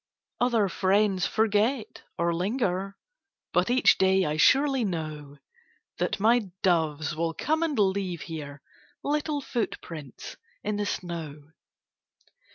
Other friends forget, or linger, But each day I surely know That my doves will come and leave here Little footprints in the snow.